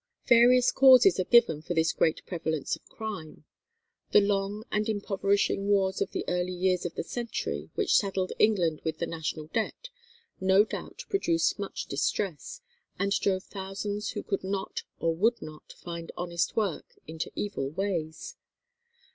Various causes are given for this great prevalence of crime. The long and impoverishing wars of the early years of the century, which saddled England with the national debt, no doubt produced much distress, and drove thousands who could not or would not find honest work into evil ways.